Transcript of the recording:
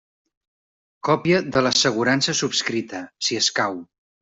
Còpia de l'assegurança subscrita, si escau.